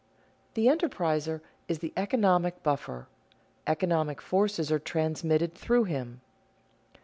_The enterpriser is the economic buffer; economic forces are transmitted through him.